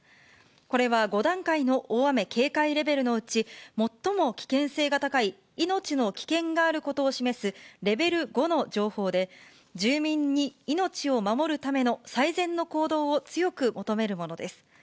これは５段階の大雨警戒レベルのうち、最も危険性が高い、命の危険があることを示すレベル５の情報で、住民に命を守るための最善の行動を強く求めるものです。